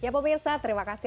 ya pemirsa terima kasih